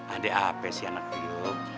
adek apa sih anak prio